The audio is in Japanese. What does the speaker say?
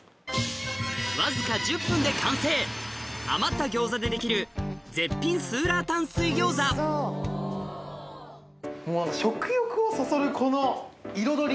わずか１０分で完成余った餃子でできる絶品食欲をそそるこの彩り。